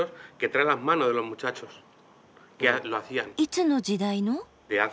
いつの時代の？